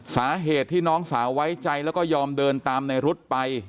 สาเหตุที่น้องสาวไว้ใจแล้วก็ยอมเดินตามในรุ๊ดไป